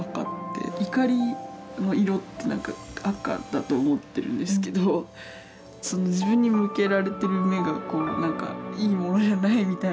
怒りの色って何か赤だと思ってるんですけどその自分に向けられてる目がこう何かいいものじゃないみたいな。